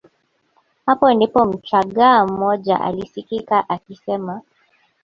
Hapo ndipo mchagga mmoja alisikika akisema